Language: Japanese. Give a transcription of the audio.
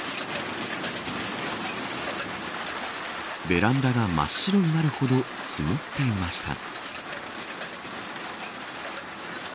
ベランダが真っ白になるほど積もっていました。